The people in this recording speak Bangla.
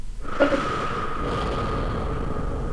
উত্তরপ্রদত্ত শব্দ শব্দের অর্থসংকল্প প্রতিজ্ঞা, ইচ্ছা।